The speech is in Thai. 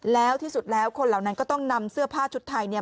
แล้วที่สุดแล้วคนเหล่านั้นก็ต้องนำเสื้อผ้าชุดไทยเนี่ย